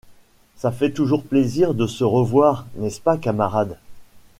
Ça fait toujours plaisir de se revoir, n’est-ce pas, camarade?...